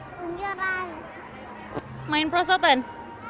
kalau gitu lovia mau main prosotan lagi gak